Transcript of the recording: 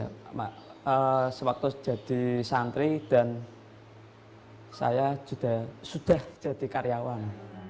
saya sudah sempat menjadi santri dan saya sudah jadi karyawan